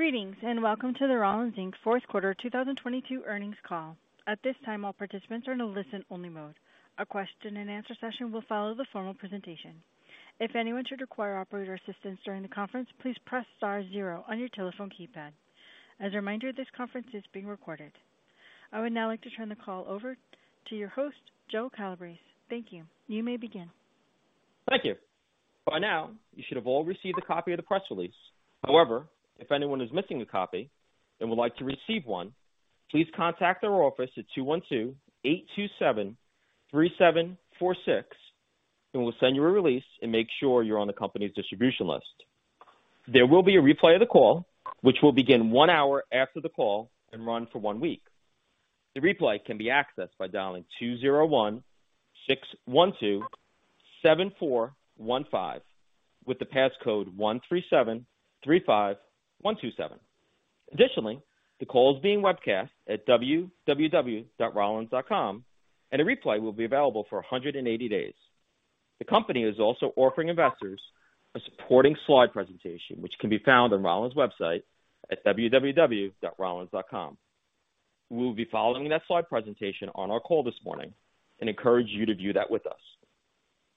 Greetings, welcome to the Rollins, Inc. Q4 2022 earnings call. At this time, all participants are in a listen-only mode. A question-and-answer session will follow the formal presentation. If anyone should require operator assistance during the conference, please press star zero on your telephone keypad. As a reminder, this conference is being recorded. I would now like to turn the call over to your host, Joe Calabrese. Thank you. You may begin. Thank you. By now, you should have all received a copy of the press release. However, if anyone is missing a copy and would like to receive one, please contact our office at 212-827-3746, and we'll send you a release and make sure you're on the company's distribution list. There will be a replay of the call, which will begin 1 hour after the call and run for 1 week. The replay can be accessed by dialing 201-612-7415 with the pass code 13735127. Additionally, the call is being webcast at www.rollins.com, and a replay will be available for 180 days. The company is also offering investors a supporting slide presentation, which can be found on Rollins' website at www.rollins.com. We'll be following that slide presentation on our call this morning and encourage you to view that with us.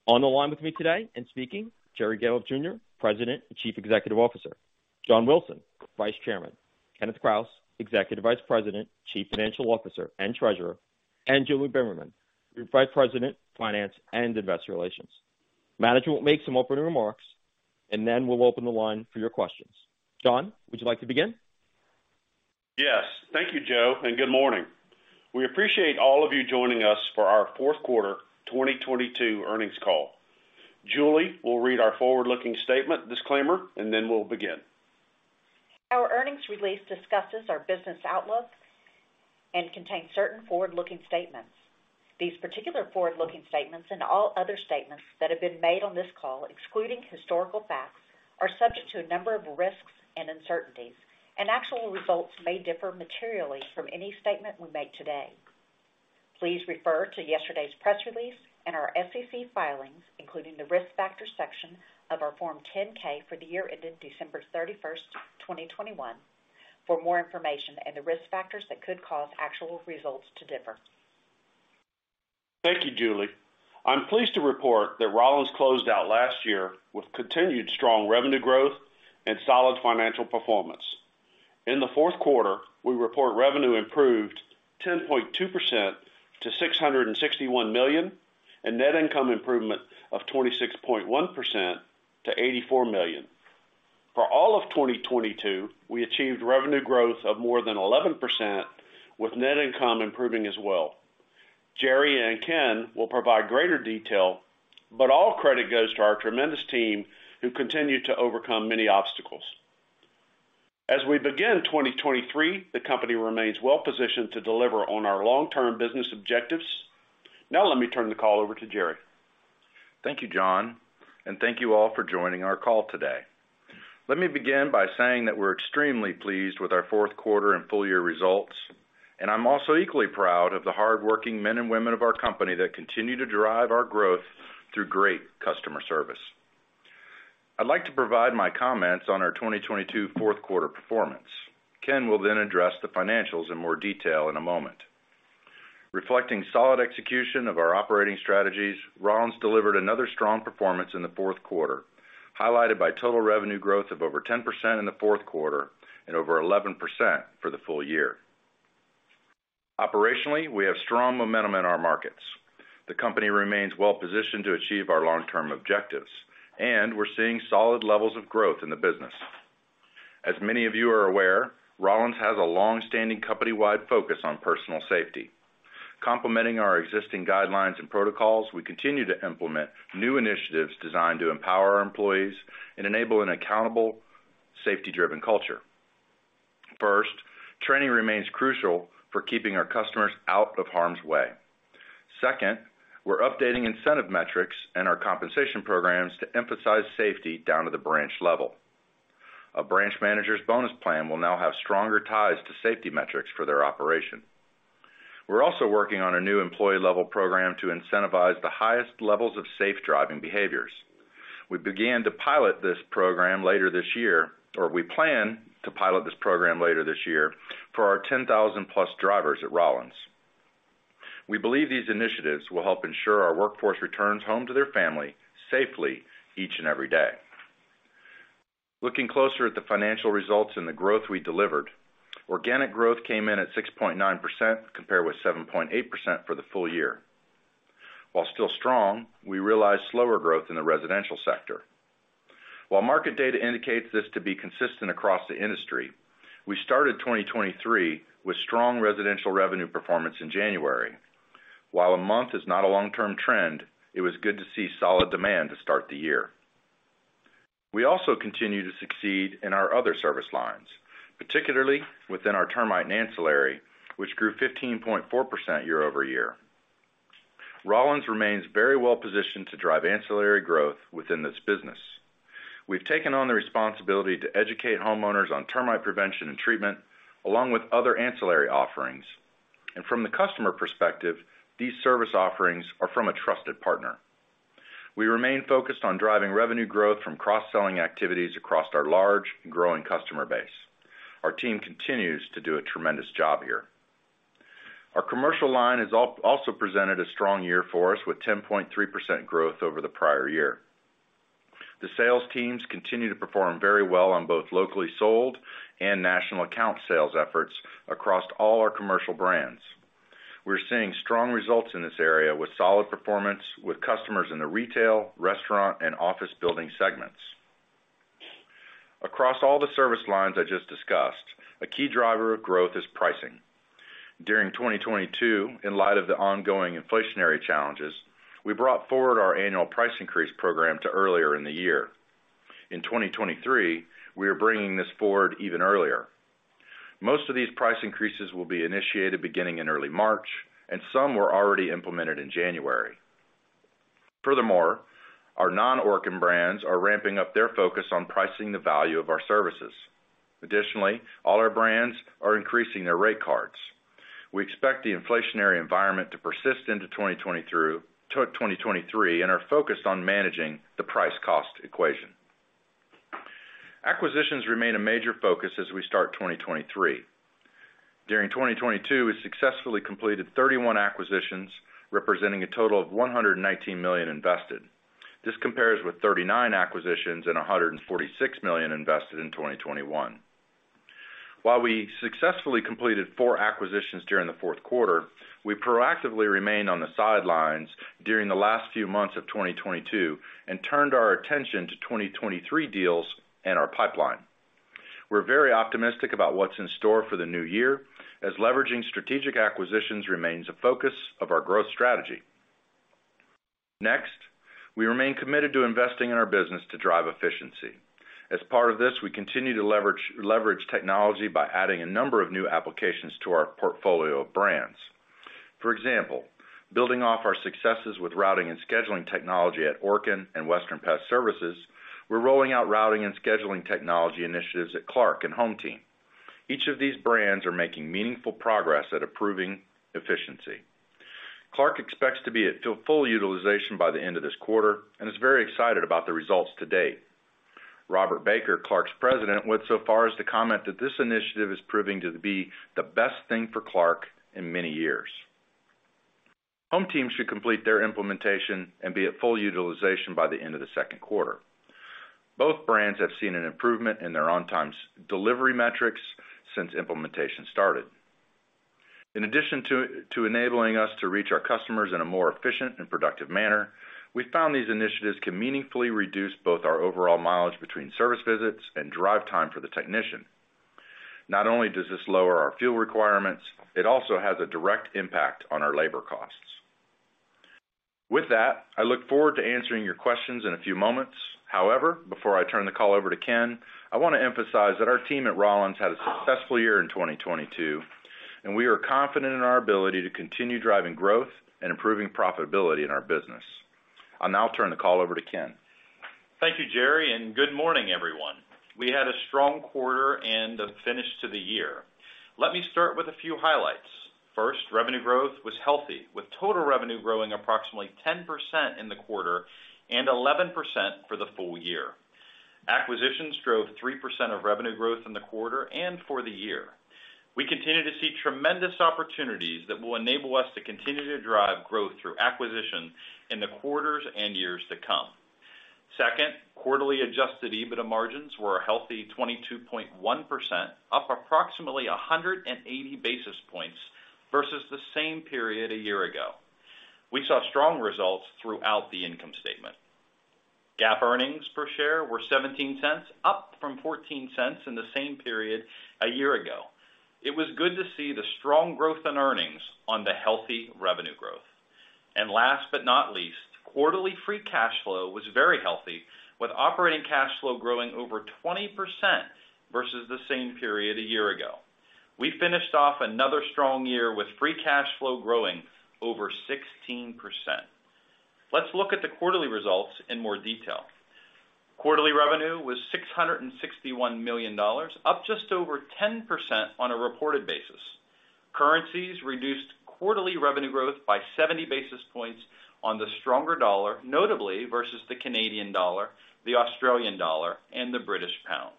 On the line with me today and speaking, Jerry Gahlhoff, Jr., President and Chief Executive Officer, John Wilson, Vice Chairman, Kenneth Krause, Executive Vice President, Chief Financial Officer and Treasurer, and Julie Bimmerman, Group Vice President, Finance, and Investor Relations. Management will make some opening remarks, and then we'll open the line for your questions. John, would you like to begin? Yes. Thank you, Joe. Good morning. We appreciate all of you joining us for our Q4 2022 earnings call. Julie will read our forward-looking statement disclaimer. Then we'll begin. Our earnings release discusses our business outlook and contains certain forward-looking statements. These particular forward-looking statements and all other statements that have been made on this call, excluding historical facts, are subject to a number of risks and uncertainties, and actual results may differ materially from any statement we make today. Please refer to yesterday's press release and our SEC filings, including the Risk Factors section of our Form 10-K for the year ended December thirty-first, 2021, for more information and the risk factors that could cause actual results to differ. Thank you, Julie. I'm pleased to report that Rollins closed out last year with continued strong revenue growth and solid financial performance. In the fourth quarter, we report revenue improved 10.2% to $661 million, and net income improvement of 26.1% to $84 million. For all of 2022, we achieved revenue growth of more than 11%, with net income improving as well. Gerry and Ken will provide greater detail, but all credit goes to our tremendous team who continue to overcome many obstacles. As we begin 2023, the company remains well positioned to deliver on our long-term business objectives. Now let me turn the call over to Gerry. Thank you, John. Thank you all for joining our call today. Let me begin by saying that we're extremely pleased with our fourth quarter and full year results, and I'm also equally proud of the hardworking men and women of our company that continue to drive our growth through great customer service. I'd like to provide my comments on our 2022 Q4 performance. Ken will address the financials in more detail in a moment. Reflecting solid execution of our operating strategies, Rollins delivered another strong performance in the Q4, highlighted by total revenue growth of over 10% in the Q1 and over 11% for the full year. Operationally, we have strong momentum in our markets. The company remains well-positioned to achieve our long-term objectives, and we're seeing solid levels of growth in the business. As many of you are aware, Rollins has a long-standing company-wide focus on personal safety. Complementing our existing guidelines and protocols, we continue to implement new initiatives designed to empower our employees and enable an accountable safety-driven culture. First, training remains crucial for keeping our customers out of harm's way. Second, we're updating incentive metrics in our compensation programs to emphasize safety down to the branch level. A branch manager's bonus plan will now have stronger ties to safety metrics for their operation. We're also working on a new employee-level program to incentivize the highest levels of safe driving behaviors. We plan to pilot this program later this year for our 10,000+ drivers at Rollins. We believe these initiatives will help ensure our workforce returns home to their family safely each and every day. Looking closer at the financial results and the growth we delivered, organic growth came in at 6.9% compared with 7.8% for the full year. Still strong, we realized slower growth in the residential sector. Market data indicates this to be consistent across the industry, we started 2023 with strong residential revenue performance in January. A month is not a long-term trend, it was good to see solid demand to start the year. We also continue to succeed in our other service lines, particularly within our termite and ancillary, which grew 15.4% year-over-year. Rollins remains very well positioned to drive ancillary growth within this business. We've taken on the responsibility to educate homeowners on termite prevention and treatment, along with other ancillary offerings. From the customer perspective, these service offerings are from a trusted partner. We remain focused on driving revenue growth from cross-selling activities across our large growing customer base. Our team continues to do a tremendous job here. Our commercial line has also presented a strong year for us, with 10.3% growth over the prior year. The sales teams continue to perform very well on both locally sold and national account sales efforts across all our commercial brands. We're seeing strong results in this area, with solid performance with customers in the retail, restaurant, and office building segments. Across all the service lines I just discussed, a key driver of growth is pricing. During 2022, in light of the ongoing inflationary challenges, we brought forward our annual price increase program to earlier in the year. In 2023, we are bringing this forward even earlier. Most of these price increases will be initiated beginning in early March, and some were already implemented in January. Furthermore, our non-Orkin brands are ramping up their focus on pricing the value of our services. Additionally, all our brands are increasing their rate cards. We expect the inflationary environment to persist into 2023, and are focused on managing the price cost equation. Acquisitions remain a major focus as we start 2023. During 2022, we successfully completed 31 acquisitions, representing a total of $119 million invested. This compares with 39 acquisitions and $146 million invested in 2021. While we successfully completed four acquisitions during the Q4, we proactively remained on the sidelines during the last few months of 2022 and turned our attention to 2023 deals and our pipeline. We're very optimistic about what's in store for the new year, as leveraging strategic acquisitions remains a focus of our growth strategy. We remain committed to investing in our business to drive efficiency. As part of this, we continue to leverage technology by adding a number of new applications to our portfolio of brands. For example, building off our successes with routing and scheduling technology at Orkin and Western Pest Services, we're rolling out routing and scheduling technology initiatives at Clark and HomeTeam. Each of these brands are making meaningful progress at improving efficiency. Clark expects to be at full utilization by the end of this quarter, and is very excited about the results to date. Robert Baker, Clark's President, went so far as to comment that this initiative is proving to be the best thing for Clark in many years. HomeTeam should complete their implementation and be at full utilization by the end of the second quarter. Both brands have seen an improvement in their on-time delivery metrics since implementation started. In addition to enabling us to reach our customers in a more efficient and productive manner, we found these initiatives can meaningfully reduce both our overall mileage between service visits and drive time for the technician. Not only does this lower our fuel requirements, it also has a direct impact on our labor costs. With that, I look forward to answering your questions in a few moments. Before I turn the call over to Ken, I wanna emphasize that our team at Rollins had a successful year in 2022, and we are confident in our ability to continue driving growth and improving profitability in our business. I'll now turn the call over to Ken. Thank you, Jerry, and good morning, everyone. We had a strong quarter and a finish to the year. Let me start with a few highlights. First, revenue growth was healthy, with total revenue growing approximately 10% in the quarter and 11% for the full year. Acquisitions drove 3% of revenue growth in the quarter and for the year. We continue to see tremendous opportunities that will enable us to continue to drive growth through acquisition in the quarters and years to come. Second, quarterly adjusted EBITDA margins were a healthy 22.1%, up approximately 180 basis points versus the same period a year ago. We saw strong results throughout the income statement. GAAP earnings per share were $0.17, up from $0.14 in the same period a year ago. It was good to see the strong growth in earnings on the healthy revenue growth. Last but not least, quarterly free cash flow was very healthy, with operating cash flow growing over 20% versus the same period a year ago. We finished off another strong year with free cash flow growing over 16%. Let's look at the quarterly results in more detail. Quarterly revenue was $661 million, up just over 10% on a reported basis. Currencies reduced quarterly revenue growth by 70 basis points on the stronger dollar, notably versus the Canadian dollar, the Australian dollar, and the British pound.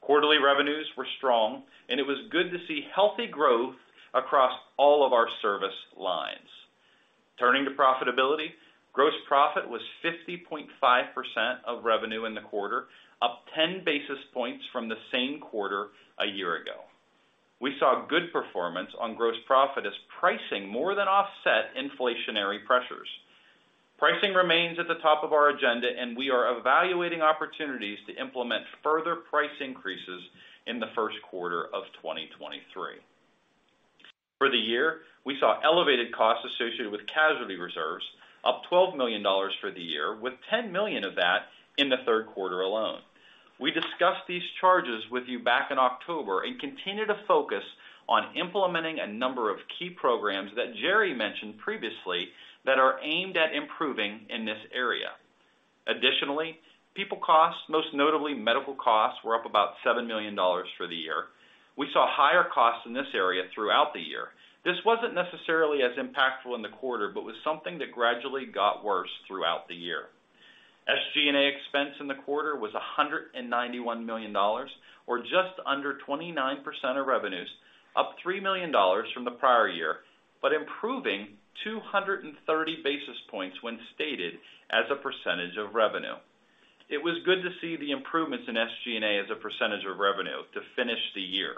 Quarterly revenues were strong, and it was good to see healthy growth across all of our service lines. Turning to profitability, gross profit was 50.5% of revenue in the quarter, up 10 basis points from the same quarter a year ago. We saw good performance on gross profit as pricing more than offset inflationary pressures. Pricing remains at the top of our agenda, and we are evaluating opportunities to implement further price increases in the first quarter of 2023. For the year, we saw elevated costs associated with casualty reserves, up $12 million for the year, with $10 million of that in the third quarter alone. We discussed these charges with you back in October, and continue to focus on implementing a number of key programs that Jerry mentioned previously that are aimed at improving in this area. Additionally, people costs, most notably medical costs, were up about $7 million for the year. We saw higher costs in this area throughout the year. This wasn't necessarily as impactful in the quarter, but was something that gradually got worse throughout the year. SG&A expense in the quarter was $191 million, or just under 29% of revenues, up $3 million from the prior year, but improving 230 basis points when stated as a percentage of revenue. It was good to see the improvements in SG&A as a percentage of revenue to finish the year.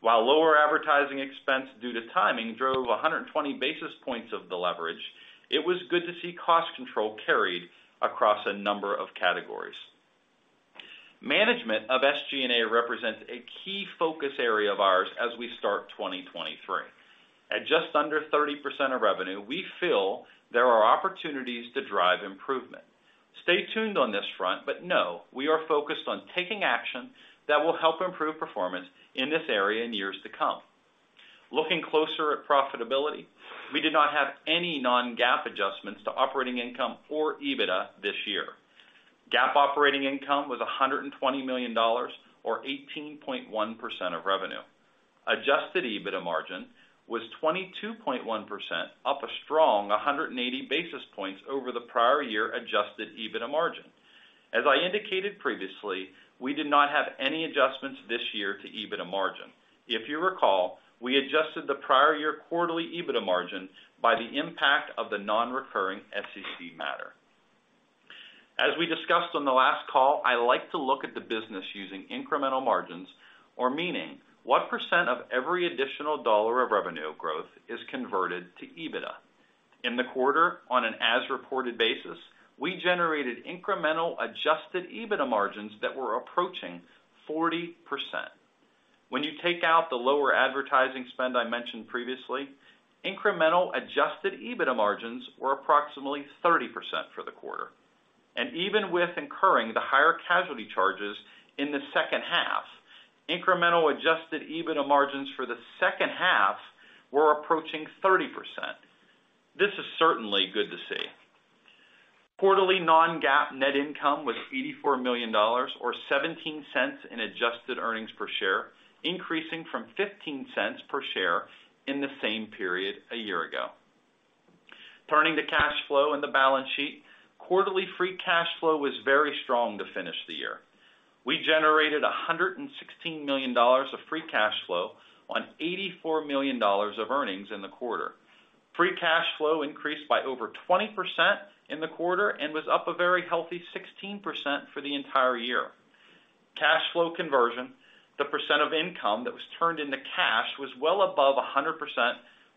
While lower advertising expense due to timing drove 120 basis points of the leverage, it was good to see cost control carried across a number of categories. Management of SG&A represents a key focus area of ours as we start 2023. At just under 30% of revenue, we feel there are opportunities to drive improvement. Stay tuned on this front. Know we are focused on taking action that will help improve performance in this area in years to come. Looking closer at profitability, we did not have any non-GAAP adjustments to operating income or EBITDA this year. GAAP operating income was $120 million, or 18.1% of revenue. Adjusted EBITDA margin was 22.1%, up a strong 180 basis points over the prior year adjusted EBITDA margin. As I indicated previously, we did not have any adjustments this year to EBITDA margin. If you recall, we adjusted the prior year quarterly EBITDA margin by the impact of the non-recurring SEC matter. As we discussed on the last call, I like to look at the business using incremental margins or meaning, what % of every additional dollar of revenue growth is converted to EBITDA? In the quarter, on an as-reported basis, we generated incremental adjusted EBITDA margins that were approaching 40%. When you take out the lower advertising spend I mentioned previously, incremental adjusted EBITDA margins were approximately 30% for the quarter. Even with incurring the higher casualty charges in the second half, incremental adjusted EBITDA margins for the second half were approaching 30%. This is certainly good to see. Quarterly non-GAAP net income was $84 million or $0.17 in adjusted earnings per share, increasing from $0.15 per share in the same period a year ago. Turning to cash flow and the balance sheet. Quarterly free cash flow was very strong to finish the year. We generated $116 million of free cash flow on $84 million of earnings in the quarter. Free cash flow increased by over 20% in the quarter and was up a very healthy 16% for the entire year. Cash flow conversion, the % of income that was turned into cash, was well above 100%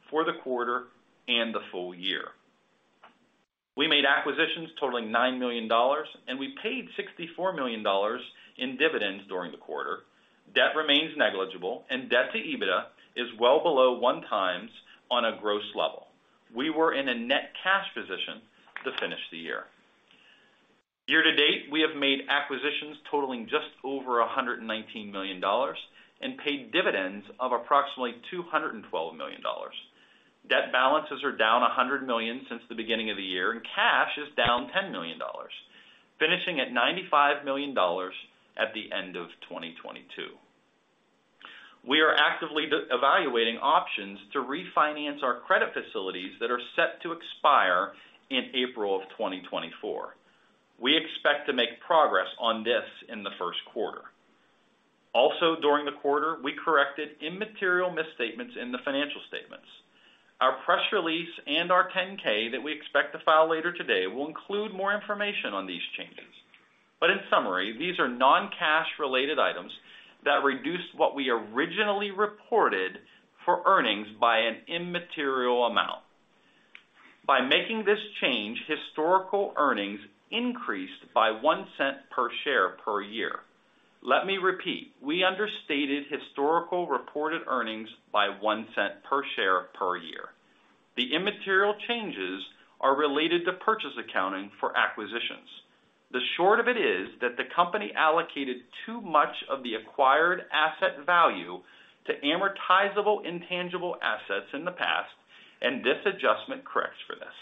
for the quarter and the full year. We made acquisitions totaling $9 million and we paid $64 million in dividends during the quarter. Debt remains negligible and debt to EBITDA is well below one times on a gross level. We were in a net cash position to finish the year. Year to date, we have made acquisitions totaling just over $119 million and paid dividends of approximately $212 million. Debt balances are down $100 million since the beginning of the year, and cash is down $10 million, finishing at $95 million at the end of 2022. We are actively evaluating options to refinance our credit facilities that are set to expire in April of 2024. We expect to make progress on this in the first quarter. During the quarter, we corrected immaterial misstatements in the financial statements. Our press release and our 10-K that we expect to file later today will include more information on these changes. In summary, these are non-cash related items that reduce what we originally reported for earnings by an immaterial amount. By making this change, historical earnings increased by $0.01 per share per year. Let me repeat, we understated historical reported earnings by $0.01 per share per year. The immaterial changes are related to purchase accounting for acquisitions. The short of it is that the company allocated too much of the acquired asset value to amortizable intangible assets in the past, and this adjustment corrects for this.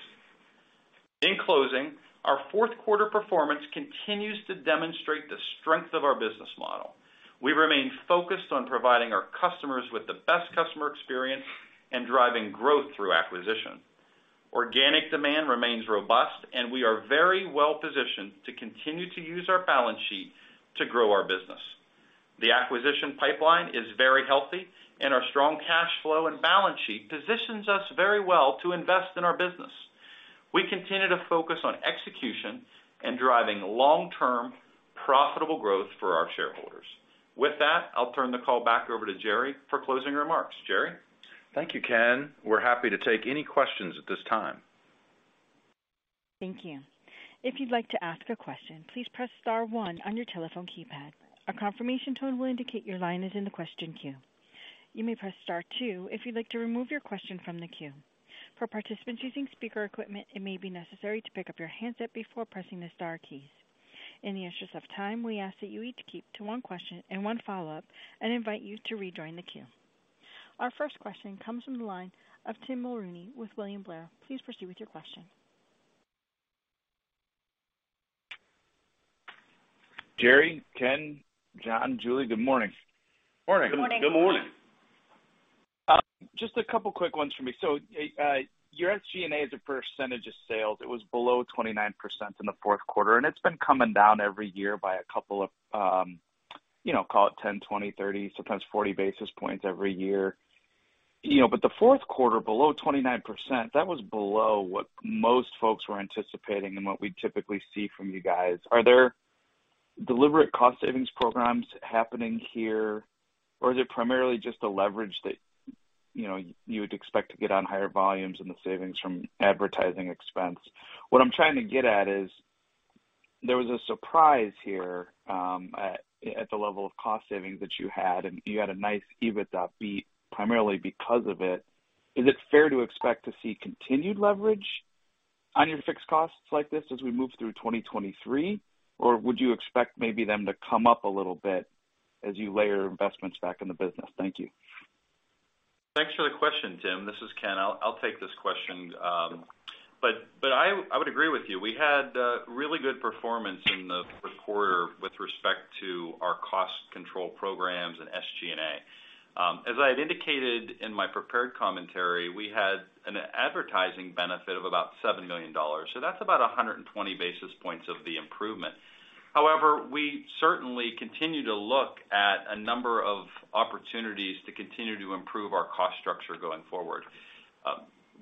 In closing, our fourth quarter performance continues to demonstrate the strength of our business model. We remain focused on providing our customers with the best customer experience and driving growth through acquisition. Organic demand remains robust and we are very well positioned to continue to use our balance sheet to grow our business. The acquisition pipeline is very healthy and our strong cash flow and balance sheet positions us very well to invest in our business. We continue to focus on execution and driving long-term profitable growth for our shareholders. With that, I'll turn the call back over to Jerry for closing remarks. Jerry? Thank you, Ken. We're happy to take any questions at this time. Thank you. If you'd like to ask a question, please press star one on your telephone keypad. A confirmation tone will indicate your line is in the question queue. You may press Star two if you'd like to remove your question from the queue. For participants using speaker equipment, it may be necessary to pick up your handset before pressing the star keys. In the interest of time, we ask that you each keep to one question and one follow-up and invite you to rejoin the queue. Our first question comes from the line of Tim Mulrooney with William Blair. Please proceed with your question. Jerry, Ken, John, Julie, good morning. Morning. Good morning. Just a couple of quick ones for me. Your SG&A as a percentage of sales, it was below 29% in the fourth quarter, and it's been coming down every year by a couple of, you know, call it 10, 20, 30, sometimes 40 basis points every year. The fourth quarter below 29%, that was below what most folks were anticipating and what we typically see from you guys. Are there deliberate cost savings programs happening here, or is it primarily just a leverage that, you know, you would expect to get on higher volumes and the savings from advertising expense? What I'm trying to get at is, there was a surprise here, at the level of cost savings that you had, and you had a nice EBITDA beat primarily because of it. Is it fair to expect to see continued leverage on your fixed costs like this as we move through 2023? Or would you expect maybe them to come up a little bit as you layer investments back in the business? Thank you. Thanks for the question, Tim. This is Ken. I'll take this question. I would agree with you. We had really good performance in the fourth quarter with respect to our cost control programs and SG&A. As I had indicated in my prepared commentary, we had an advertising benefit of about $7 million. That's about 120 basis points of the improvement. We certainly continue to look at a number of opportunities to continue to improve our cost structure going forward.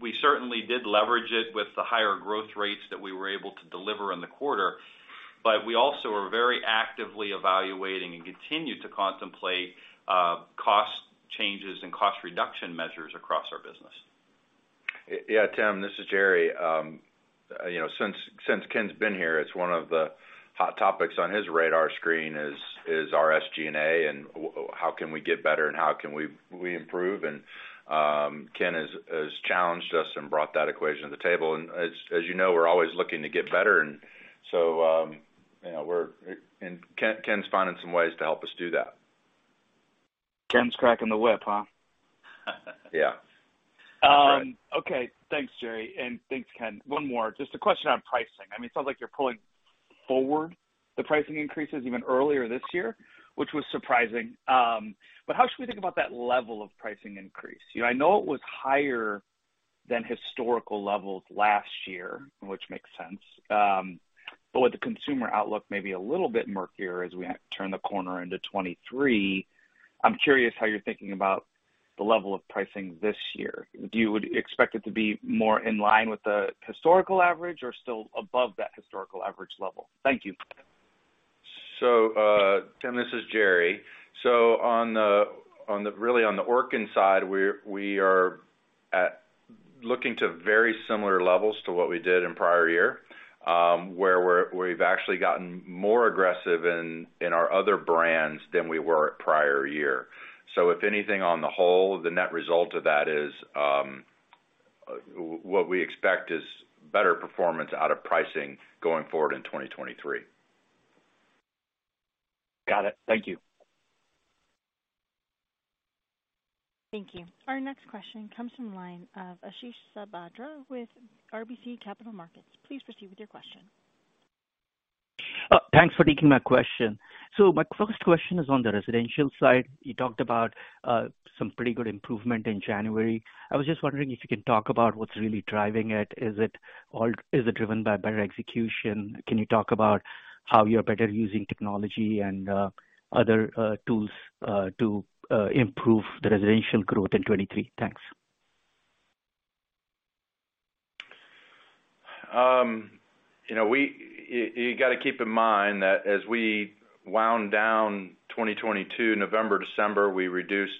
We certainly did leverage it with the higher growth rates that we were able to deliver in the quarter, but we also are very actively evaluating and continue to contemplate cost changes and cost reduction measures across our business. Yeah, Tim, this is Jerry. You know, since Ken's been here, it's one of the hot topics on his radar screen is our SG&A and how can we get better and how can we improve. Ken has challenged us and brought that equation to the table. As you know, we're always looking to get better. You know, Ken's finding some ways to help us do that. Ken's cracking the whip, huh? Yeah. Okay. Thanks, Jerry. Thanks, Ken. One more. Just a question on pricing. I mean, it sounds like you're pulling forward the pricing increases even earlier this year, which was surprising. How should we think about that level of pricing increase? You know, I know it was higher than historical levels last year, which makes sense. With the consumer outlook maybe a little bit murkier as we turn the corner into 23, I'm curious how you're thinking about the level of pricing this year. Do you would expect it to be more in line with the historical average or still above that historical average level? Thank you. Tim, this is Jerry. Really on the Orkin side, looking to very similar levels to what we did in prior year, where we've actually gotten more aggressive in our other brands than we were at prior year. If anything on the whole, the net result of that is what we expect is better performance out of pricing going forward in 2023. Got it. Thank you. Thank you. Our next question comes from the line of Ashish Sabadra with RBC Capital Markets. Please proceed with your question. Thanks for taking my question. My first question is on the residential side. You talked about some pretty good improvement in January. I was just wondering if you can talk about what's really driving it. Is it driven by better execution? Can you talk about how you're better using technology and other tools to improve the residential growth in 23? Thanks. You know, you got to keep in mind that as we wound down 2022, November, December, we reduced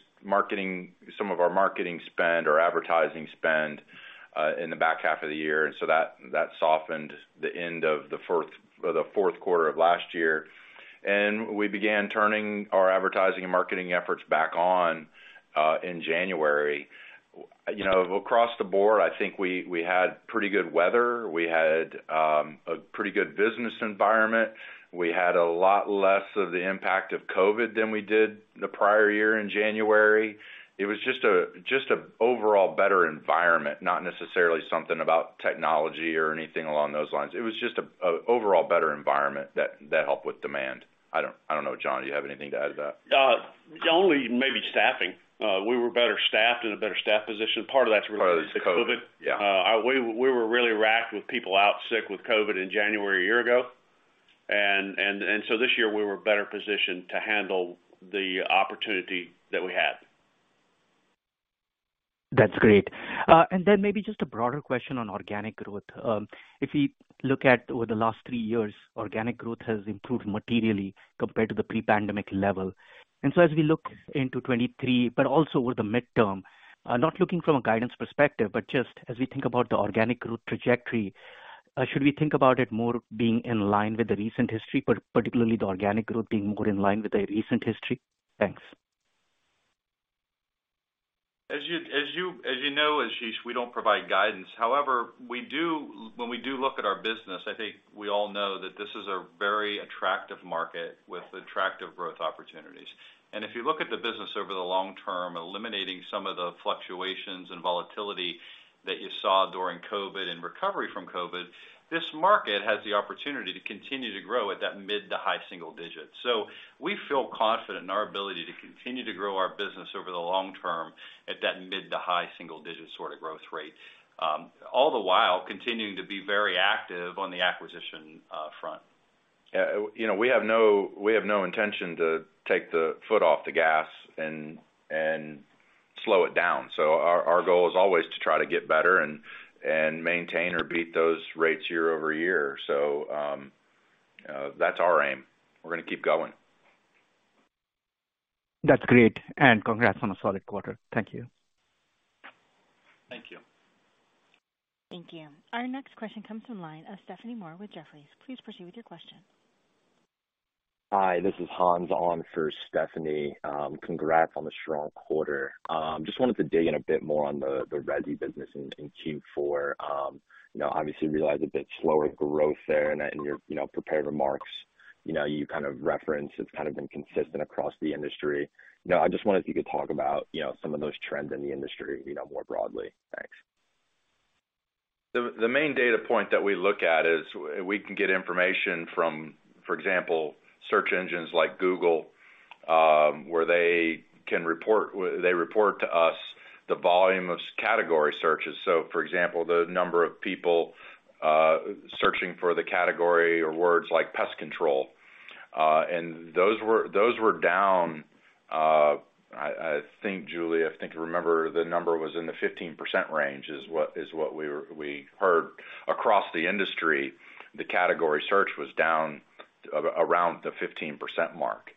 some of our marketing spend or advertising spend in the back half of the year. That, that softened the end of the Q4 of last year. We began turning our advertising and marketing efforts back on in January. You know, across the board, I think we had pretty good weather. We had a pretty good business environment. We had a lot less of the impact of COVID than we did the prior year in January. It was just an overall better environment, not necessarily something about technology or anything along those lines. It was just an overall better environment that helped with demand. I don't, I don't know, John, do you have anything to add to that? only maybe staffing. We were better staffed in a better staff position. Part of that's related to COVID. Yeah. We were really racked with people out sick with COVID in January a year ago. This year, we were better positioned to handle the opportunity that we had. That's great. Maybe just a broader question on organic growth. If we look at over the last 3 years, organic growth has improved materially compared to the pre-pandemic level. As we look into 2023, but also over the midterm, not looking from a guidance perspective, but just as we think about the organic growth trajectory, should we think about it more being in line with the recent history, but particularly the organic growth being more in line with the recent history? Thanks. As you know, Ashish, we don't provide guidance. When we do look at our business, I think we all know that this is a very attractive market with attractive growth opportunities. If you look at the business over the long term, eliminating some of the fluctuations and volatility that you saw during COVID and recovery from COVID, this market has the opportunity to continue to grow at that mid to high single digits. We feel confident in our ability to continue to grow our business over the long term at that mid to high single digit sort of growth rate, all the while continuing to be very active on the acquisition front. Yeah. You know, we have no intention to take the foot off the gas and slow it down. Our goal is always to try to get better and maintain or beat those rates year-over-year. That's our aim. We're gonna keep going. That's great. Congrats on a solid quarter. Thank you. Thank you. Thank you. Our next question comes from line of Stephanie Moore with Jefferies. Please proceed with your question. Hi, this is Hans on for Stephanie. Congrats on the strong quarter. Just wanted to dig in a bit more on the resi business in Q4. You know, obviously realized a bit slower growth there and that in your, you know, prepared remarks, you know, you kind of referenced it's kind of been consistent across the industry. You know, I just wondered if you could talk about, you know, some of those trends in the industry, you know, more broadly. Thanks. The main data point that we look at is we can get information from, for example, search engines like Google, where they can report to us the volume of category searches. For example, the number of people searching for the category or words like pest control. Those were down, I think, Julie, I think remember the number was in the 15% range is what we heard across the industry, the category search was down around the 15% mark.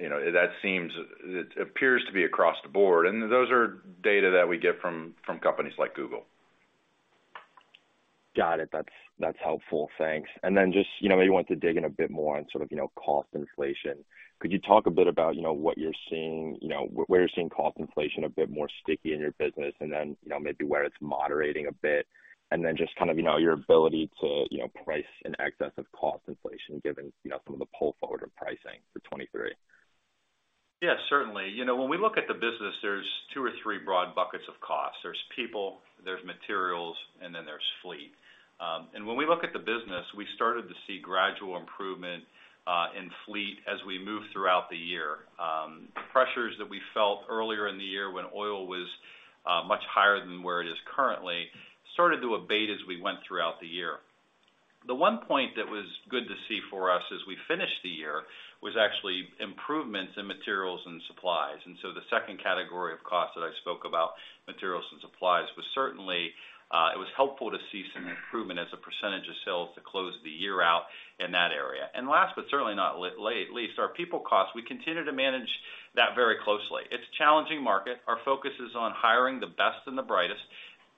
You know, that it appears to be across the board, and those are data that we get from companies like Google. Got it. That's, that's helpful. Thanks. Just, you know, maybe want to dig in a bit more on sort of, you know, cost inflation. Could you talk a bit about, you know, what you're seeing, you know, where you're seeing cost inflation a bit more sticky in your business and then, you know, maybe where it's moderating a bit? Just kind of, you know, your ability to, you know, price in excess of cost inflation, given, you know, some of the pull-forward of pricing for 2023? Yeah, certainly. You know, when we look at the business, there's 2 or 3 broad buckets of costs. There's people, there's materials, and then there's fleet. When we look at the business, we started to see gradual improvement in fleet as we moved throughout the year. Pressures that we felt earlier in the year when oil was much higher than where it is currently, started to abate as we went throughout the year. The one point that was good to see for us as we finished the year was actually improvements in materials and supplies. The second category of costs that I spoke about, materials and supplies, was certainly, it was helpful to see some improvement as a % of sales to close the year out in that area. Last but certainly not least, our people costs. We continue to manage that very closely. It's challenging market. Our focus is on hiring the best and the brightest,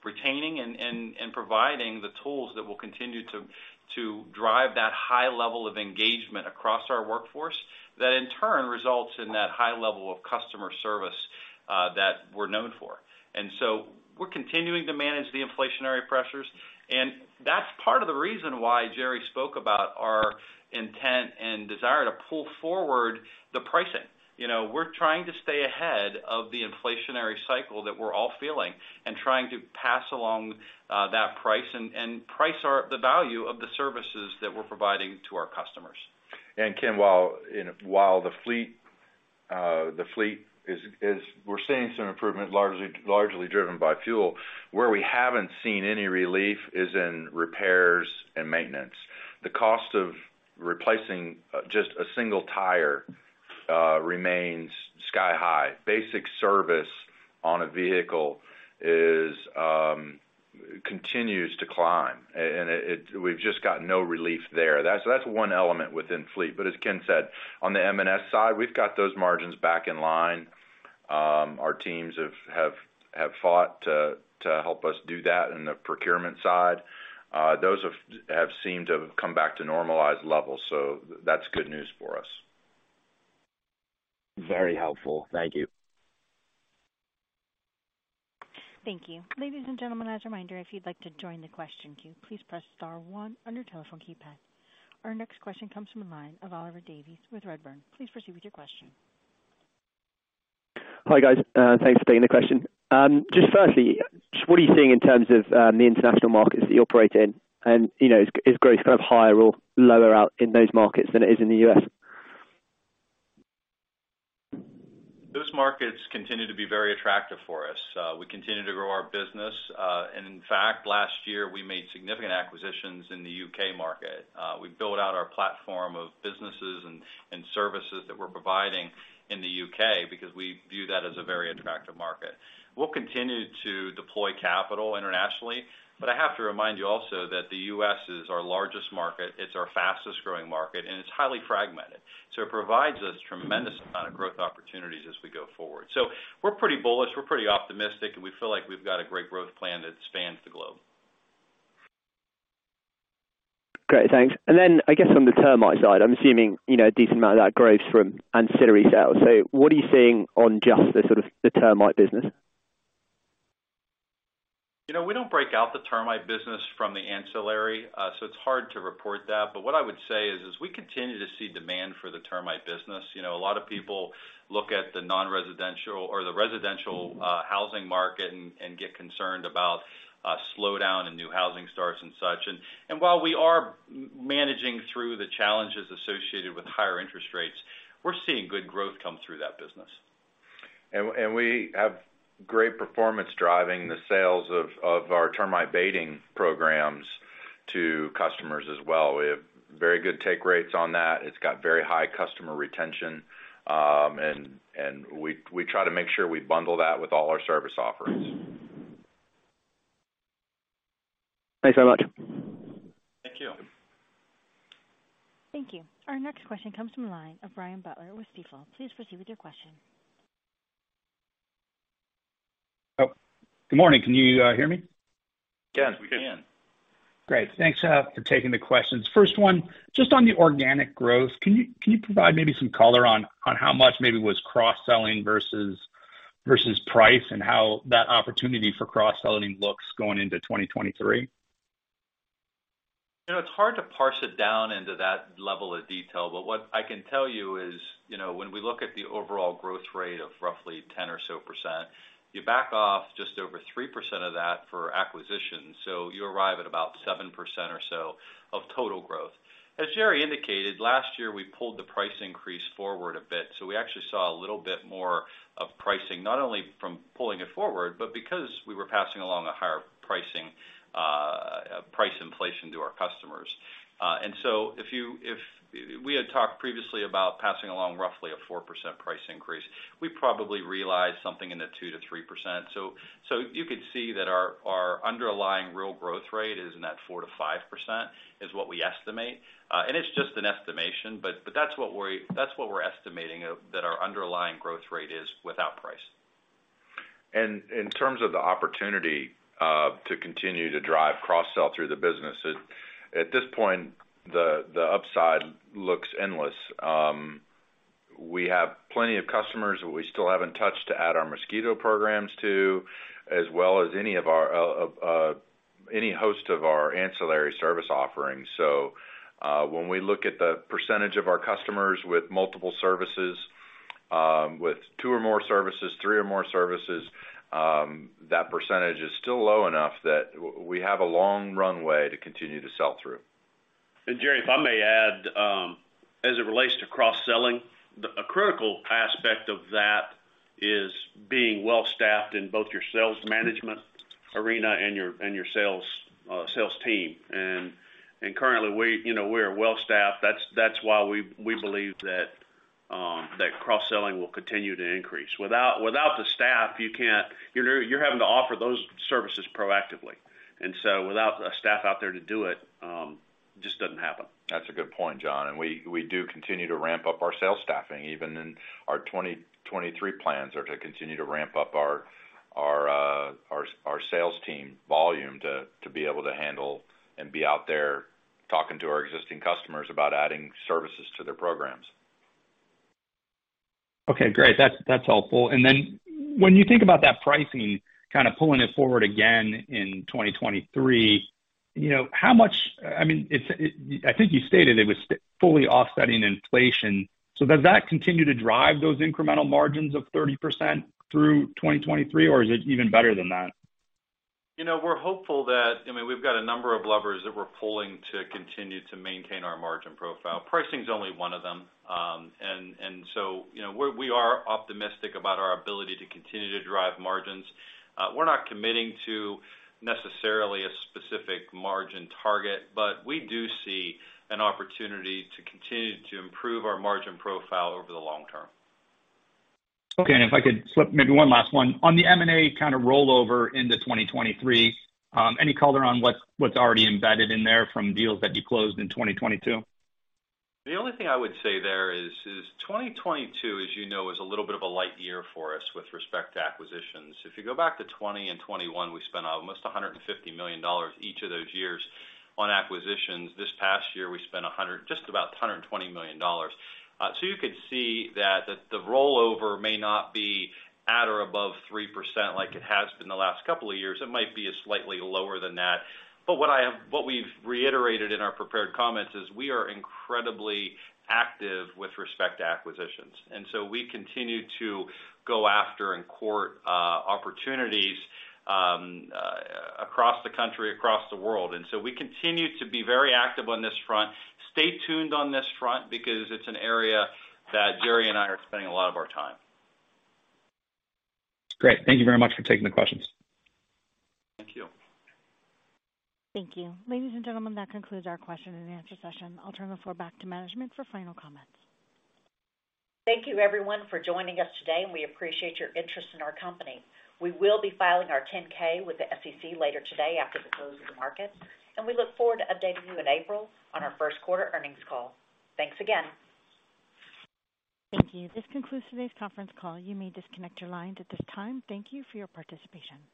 retaining and providing the tools that will continue to drive that high level of engagement across our workforce. That in turn results in that high level of customer service that we're known for. We're continuing to manage the inflationary pressures, and that's part of the reason why Jerry spoke about our intent and desire to pull forward the pricing. You know, we're trying to stay ahead of the inflationary cycle that we're all feeling and trying to pass along that price and price the value of the services that we're providing to our customers. Ken, while the fleet, the fleet is we're seeing some improvement largely driven by fuel. Where we haven't seen any relief is in repairs and maintenance. The cost of replacing just a single tire remains sky high. Basic service on a vehicle is, continues to climb. We've just got no relief there. That's one element within fleet. As Ken said, on the M&S side, we've got those margins back in line. Our teams have fought to help us do that in the procurement side. Those have seemed to have come back to normalized levels. That's good news for us. Very helpful. Thank you. Thank you. Ladies and gentlemen, as a reminder, if you'd like to join the question queue, please press star one on your telephone keypad. Our next question comes from the line of Ollie Davies with Redburn. Please proceed with your question. Hi, guys. Thanks for taking the question. Just firstly, just what are you seeing in terms of the international markets that you operate in? You know, is growth kind of higher or lower out in those markets than it is in the U.S.? Those markets continue to be very attractive for us. We continue to grow our business. In fact, last year, we made significant acquisitions in the U.K. market. We built out our platform of businesses and services that we're providing in the U.K. because we view that as a very attractive market. We'll continue to deploy capital internationally. I have to remind you also that the U.S. is our largest market, it's our fastest-growing market, and it's highly fragmented. It provides us tremendous amount of growth opportunities as we go forward. We're pretty bullish, we're pretty optimistic, and we feel like we've got a great growth plan that spans the globe. Great, thanks. Then I guess on the termite side, I'm assuming, you know, a decent amount of that growth is from ancillary sales. What are you seeing on just the sort of the termite business? You know, we don't break out the termite business from the ancillary, so it's hard to report that. What I would say is we continue to see demand for the termite business. You know, a lot of people look at the non-residential or the residential housing market and get concerned about slowdown in new housing starts and such. While we are managing through the challenges associated with higher interest rates, we're seeing good growth come through that business. We have great performance driving the sales of our termite baiting programs to customers as well. We have very good take rates on that. It's got very high customer retention, and we try to make sure we bundle that with all our service offerings. Thanks so much. Thank you. Thank you. Our next question comes from the line of Brian Butler with Stifel. Please proceed with your question. Oh, good morning. Can you hear me? Yes, we can. Great. Thanks for taking the questions. First one, just on the organic growth, can you provide maybe some color on how much maybe was cross-selling versus price and how that opportunity for cross-selling looks going into 2023? You know, it's hard to parse it down into that level of detail, but what I can tell you is, you know, when we look at the overall growth rate of roughly 10% or so, you back off just over 3% of that for acquisitions, so you arrive at about 7% or so of total growth. As Jerry indicated, last year, we pulled the price increase forward a bit, so we actually saw a little bit more of pricing, not only from pulling it forward, but because we were passing along a higher pricing, price inflation to our customers. If we had talked previously about passing along roughly a 4% price increase, we probably realized something in the 2%-3%. You could see that our underlying real growth rate is in that 4%-5% is what we estimate. It's just an estimation, but that's what we're estimating of that our underlying growth rate is without price. In terms of the opportunity to continue to drive cross-sell through the business, at this point, the upside looks endless. We have plenty of customers who we still haven't touched to add our mosquito programs to, as well as any of our any host of our ancillary service offerings. When we look at the percentage of our customers with multiple services, with 2 or more services, 3 or more services, that percentage is still low enough that we have a long runway to continue to sell through. Jerry, if I may add, as it relates to cross-selling, a critical aspect of that is being well-staffed in both your sales management arena and your, and your sales team. Currently, we, you know, we're well-staffed. That's, that's why we believe that cross-selling will continue to increase. Without the staff, you can't... You're having to offer those services proactively. Without a staff out there to do it just doesn't happen. That's a good point, John. We do continue to ramp up our sales staffing, even in our 2023 plans are to continue to ramp up our sales team volume to be able to handle and be out there talking to our existing customers about adding services to their programs. Okay, great. That's helpful. Then when you think about that pricing kind of pulling it forward again in 2023, you know, how much? I mean, I think you stated it was fully offsetting inflation. Does that continue to drive those incremental margins of 30% through 2023, or is it even better than that? You know, we're hopeful that, I mean, we've got a number of levers that we're pulling to continue to maintain our margin profile. Pricing is only one of them. You know, we are optimistic about our ability to continue to drive margins. We're not committing to necessarily a specific margin target, but we do see an opportunity to continue to improve our margin profile over the long term. Okay. If I could slip maybe one last one. On the M&A kind of rollover into 2023, any color on what's already embedded in there from deals that you closed in 2022? The only thing I would say there is 2022, as you know, is a little bit of a light year for us with respect to acquisitions. If you go back to 2020 and 2021, we spent almost $150 million each of those years on acquisitions. This past year, we spent just about $120 million. You could see that the rollover may not be at or above 3% like it has been the last couple of years. It might be a slightly lower than that. But what we've reiterated in our prepared comments is we are incredibly active with respect to acquisitions, so we continue to go after and court opportunities across the country, across the world. We continue to be very active on this front. Stay tuned on this front because it's an area that Jerry and I are spending a lot of our time. Great. Thank you very much for taking the questions. Thank you. Thank you. Ladies and gentlemen, that concludes our Q&A session. I'll turn the floor back to management for final comments. Thank you, everyone, for joining us today, and we appreciate your interest in our company. We will be filing our 10-K with the SEC later today after the close of the market, and we look forward to updating you in April on our Q1 earnings call. Thanks again. Thank you. This concludes today's conference call. You may disconnect your lines at this time. Thank you for your participation.